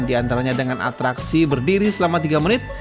diantaranya dengan atraksi berdiri selama tiga menit